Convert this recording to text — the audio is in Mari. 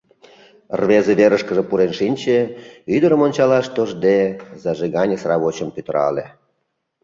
Рвезе верышкыже пурен шинче, ӱдырым ончалаш тоштде, зажиганий сравочым пӱтырале.